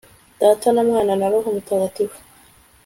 data na mwana na roho mutagatifu